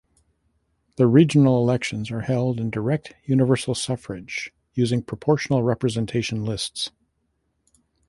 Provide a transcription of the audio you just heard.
The regional elections are held in direct universal suffrage using proportional representation lists.